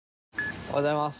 おはようございます。